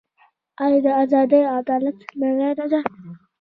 آیا د ازادۍ او عدالت رڼا نه ده؟